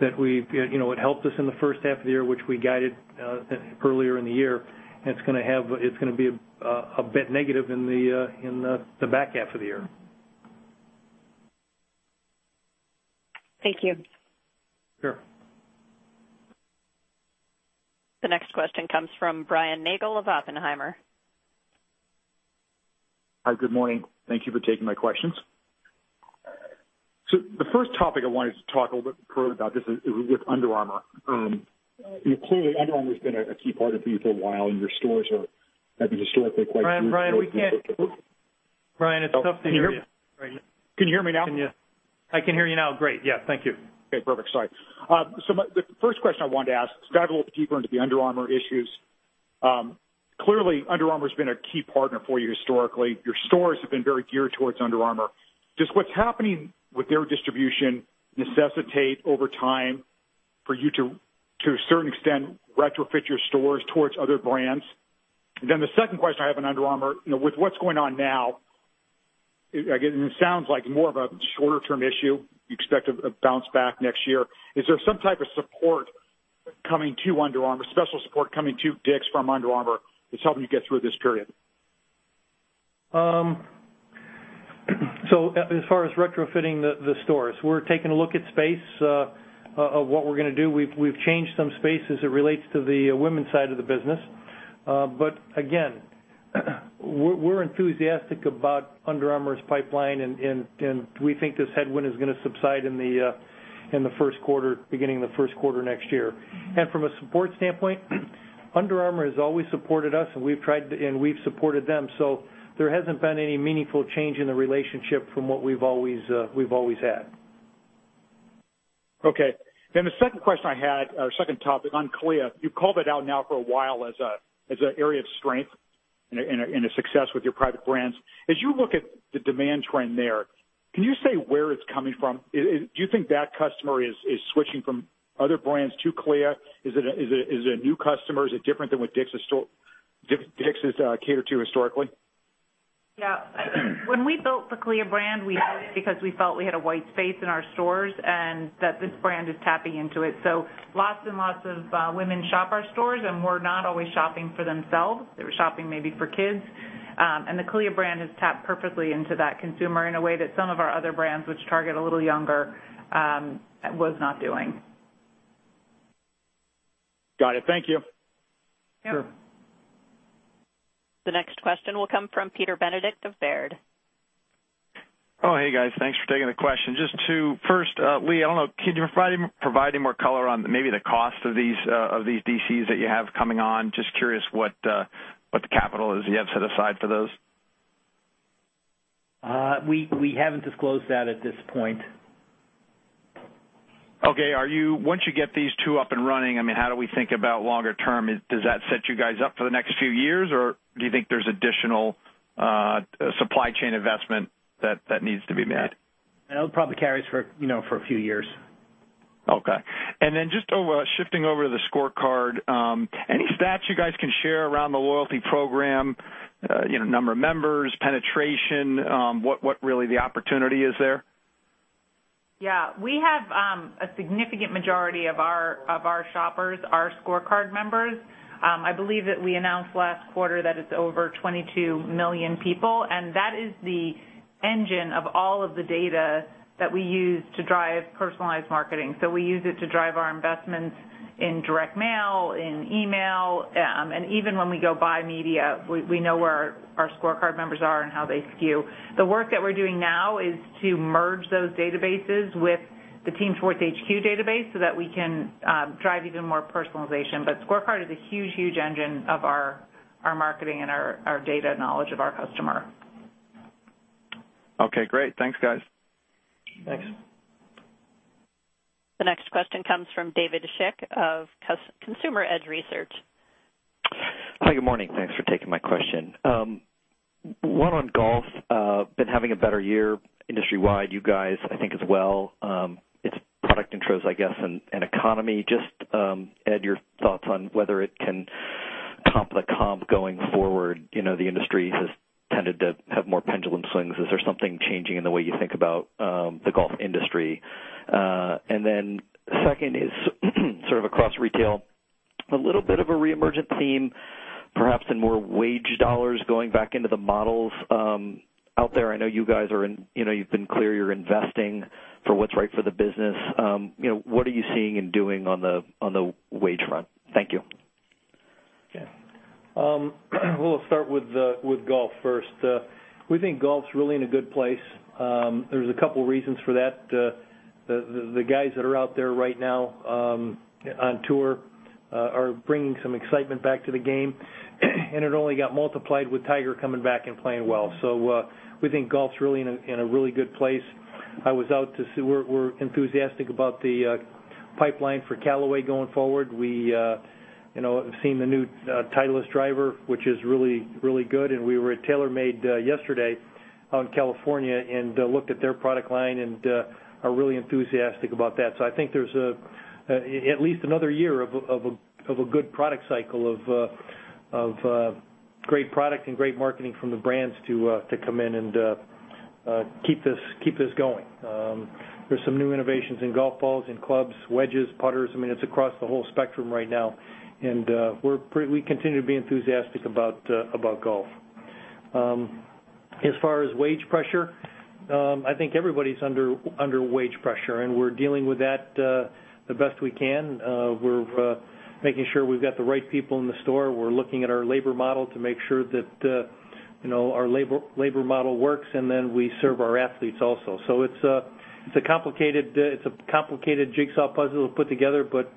that it helped us in the first half of the year, which we guided earlier in the year. It's going to be a bit negative in the back half of the year.
Thank you.
Sure.
The next question comes from Brian Nagel of Oppenheimer.
Hi, good morning. Thank you for taking my questions. The first topic I wanted to talk a little bit further about this is with Under Armour. Clearly, Under Armour's been a key partner for you for a while, and your stores have been historically quite.
Brian, it's tough to hear you.
Can you hear me now?
I can hear you now. Great. Yeah, thank you.
Okay, perfect. Sorry. The first question I wanted to ask, dive a little deeper into the Under Armour issues. Clearly, Under Armour has been a key partner for you historically. Your stores have been very geared towards Under Armour. Just what's happening with their distribution necessitate over time for you to a certain extent, retrofit your stores towards other brands? The second question I have on Under Armour, with what's going on now, again, it sounds like more of a shorter-term issue. You expect a bounce back next year. Is there some type of support coming to Under Armour, special support coming to DICK'S from Under Armour that's helping you get through this period?
As far as retrofitting the stores, we're taking a look at space of what we're going to do. We've changed some space as it relates to the women's side of the business. Again, we're enthusiastic about Under Armour's pipeline, and we think this headwind is going to subside beginning the first quarter next year. From a support standpoint, Under Armour has always supported us, and we've supported them. There hasn't been any meaningful change in the relationship from what we've always had.
Okay. The second question I had, or second topic on CALIA. You've called it out now for a while as an area of strength and a success with your private brands. As you look at the demand trend there, can you say where it's coming from? Do you think that customer is switching from other brands to CALIA? Is it a new customer? Is it different than what DICK'S has catered to historically?
Yeah. When we built the CALIA brand, we did it because we felt we had a white space in our stores and that this brand is tapping into it. Lots and lots of women shop our stores, and were not always shopping for themselves. They were shopping maybe for kids. The CALIA brand has tapped perfectly into that consumer in a way that some of our other brands, which target a little younger, was not doing.
Got it. Thank you.
Sure.
The next question will come from Peter Benedict of Baird.
Hey guys. Thanks for taking the question. Just to first, Lee, I don't know, can you provide any more color on maybe the cost of these DCs that you have coming on? Just curious what the capital is you have set aside for those.
We haven't disclosed that at this point.
Okay. Once you get these two up and running, how do we think about longer term? Does that set you guys up for the next few years or do you think there's additional supply chain investment that needs to be made?
That probably carries for a few years.
Okay. Then just shifting over to the ScoreCard, any stats you guys can share around the loyalty program, number of members, penetration, what really the opportunity is there?
Yeah. We have a significant majority of our shoppers are ScoreCard members. I believe that we announced last quarter that it's over 22 million people, that is the engine of all of the data that we use to drive personalized marketing. We use it to drive our investments in direct mail, in email, and even when we go buy media, we know where our ScoreCard members are and how they skew. The work that we're doing now is to merge those databases with the Team Sports HQ database that we can drive even more personalization. ScoreCard is a huge engine of our marketing and our data knowledge of our customer.
Okay, great. Thanks, guys.
Thanks.
The next question comes from David Schick of Consumer Edge Research.
Hi, good morning. Thanks for taking my question. One on golf. Been having a better year industry-wide, you guys, I think, as well. It's product intros, I guess, and economy. Just add your thoughts on whether it can comp the comp going forward. The industry has tended to have more pendulum swings. Is there something changing in the way you think about the golf industry? Second is sort of across retail, a little bit of a reemergent theme, perhaps in more wage dollars going back into the models out there. I know you guys you've been clear you're investing for what's right for the business. What are you seeing and doing on the wage front? Thank you.
Yeah. We'll start with golf first. We think golf's really in a good place. There's a couple reasons for that. The guys that are out there right now on tour are bringing some excitement back to the game, and it only got multiplied with Tiger coming back and playing well. We think golf's really in a really good place. We're enthusiastic about the pipeline for Callaway going forward. We have seen the new Titleist driver, which is really good, and we were at TaylorMade yesterday out in California and looked at their product line and are really enthusiastic about that. I think there's at least another year of a good product cycle of great product and great marketing from the brands to come in and keep this going. There's some new innovations in golf balls, in clubs, wedges, putters. I mean, it's across the whole spectrum right now. We continue to be enthusiastic about golf. As far as wage pressure, I think everybody's under wage pressure, we're dealing with that the best we can. We're making sure we've got the right people in the store. We're looking at our labor model to make sure that our labor model works, we serve our athletes also. It's a complicated jigsaw puzzle to put together, but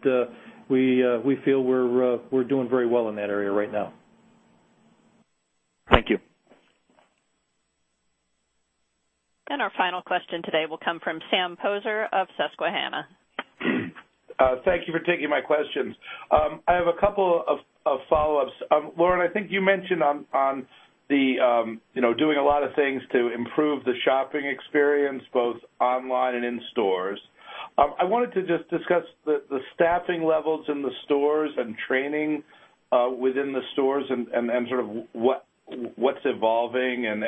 we feel we're doing very well in that area right now.
Thank you.
Our final question today will come from Sam Poser of Susquehanna.
Thank you for taking my questions. I have a couple of follow-ups. Lauren, I think you mentioned on doing a lot of things to improve the shopping experience, both online and in stores. I wanted to just discuss the staffing levels in the stores and training within the stores and sort of what's evolving in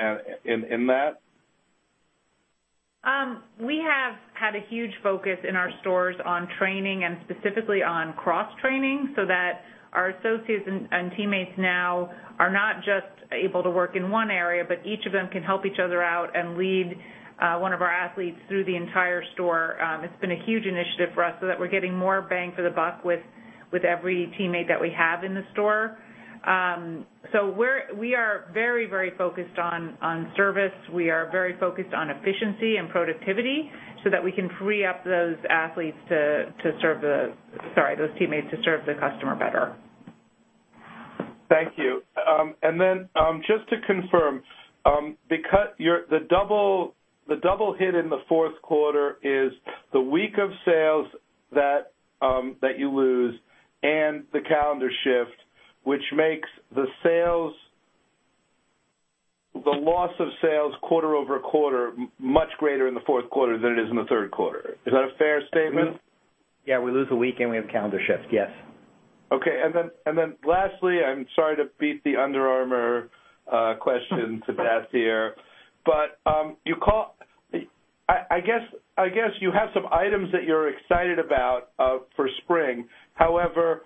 that.
We have had a huge focus in our stores on training and specifically on cross-training so that our associates and teammates now are not just able to work in one area, but each of them can help each other out and lead one of our athletes through the entire store. It's been a huge initiative for us so that we're getting more bang for the buck with every teammate that we have in the store. We are very focused on service. We are very focused on efficiency and productivity so that we can free up those teammates to serve the customer better.
Thank you. Just to confirm, the double hit in the fourth quarter is the week of sales that you lose and the calendar shift, which makes the loss of sales quarter-over-quarter much greater in the fourth quarter than it is in the third quarter. Is that a fair statement?
Yeah. We lose a week and we have calendar shifts. Yes.
Okay. Lastly, I'm sorry to beat the Under Armour question to death here, but I guess you have some items that you're excited about for spring. However,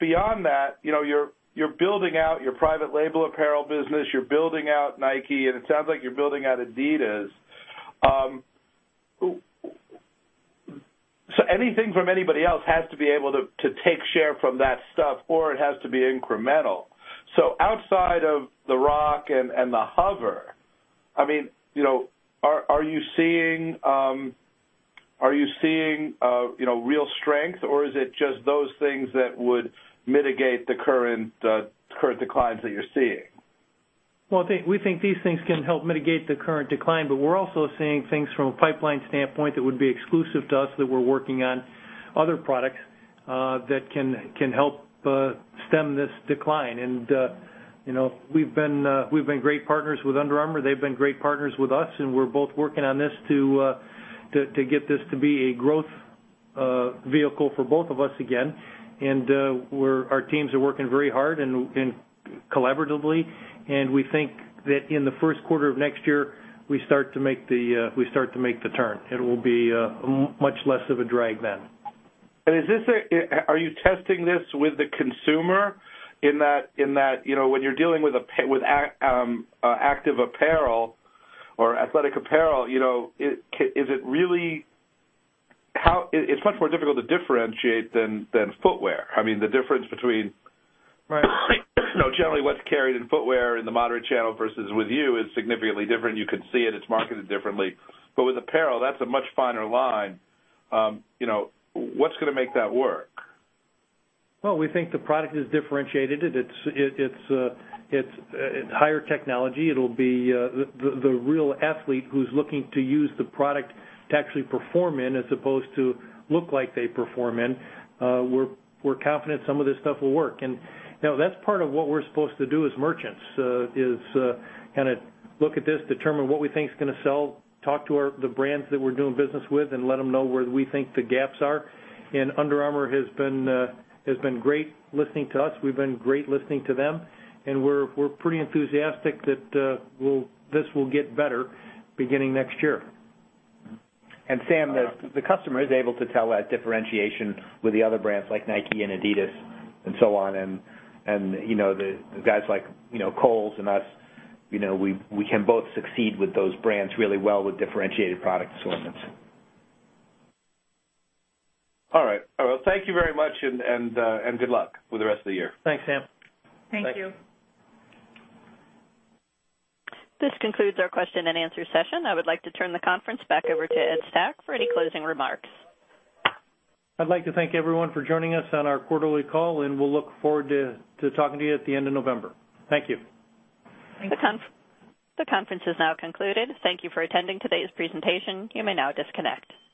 beyond that, you're building out your private label apparel business, you're building out Nike, and it sounds like you're building out adidas. Anything from anybody else has to be able to take share from that stuff, or it has to be incremental. Outside of The Rock and the HOVR, are you seeing real strength, or is it just those things that would mitigate the current declines that you're seeing?
Well, we think these things can help mitigate the current decline, but we're also seeing things from a pipeline standpoint that would be exclusive to us, that we're working on other products that can help stem this decline. We've been great partners with Under Armour. They've been great partners with us, and we're both working on this to get this to be a growth vehicle for both of us again. Our teams are working very hard and collaboratively. We think that in the first quarter of next year, we start to make the turn. It will be much less of a drag then.
Are you testing this with the consumer, in that when you're dealing with active apparel or athletic apparel, it's much more difficult to differentiate than footwear. I mean, the difference between-
Right
generally what's carried in footwear in the moderate channel versus with you is significantly different. You can see it's marketed differently. With apparel, that's a much finer line. What's going to make that work?
Well, we think the product is differentiated. It's higher technology. It'll be the real athlete who's looking to use the product to actually perform in, as opposed to look like they perform in. We're confident some of this stuff will work. Now that's part of what we're supposed to do as merchants, is kind of look at this, determine what we think is going to sell, talk to the brands that we're doing business with, and let them know where we think the gaps are. Under Armour has been great listening to us. We've been great listening to them, and we're pretty enthusiastic that this will get better beginning next year.
Sam, the customer is able to tell that differentiation with the other brands like Nike and adidas and so on. The guys like Kohl's and us, we can both succeed with those brands really well with differentiated product assortments.
All right. Thank you very much, and good luck with the rest of the year.
Thanks, Sam.
Thank you.
Thank you.
This concludes our question and answer session. I would like to turn the conference back over to Ed Stack for any closing remarks.
I'd like to thank everyone for joining us on our quarterly call, and we'll look forward to talking to you at the end of November. Thank you.
Thank you. The conference is now concluded. Thank you for attending today's presentation. You may now disconnect.